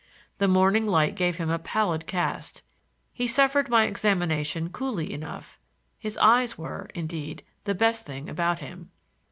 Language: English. The morning light gave him a pallid cast. He suffered my examination coolly enough; his eyes were, indeed, the best thing about him.